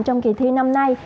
trong kỳ thi năm nay